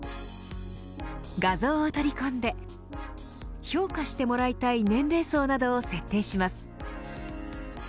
画像を取り込んで評価してもらいたい年齢層などを設定します。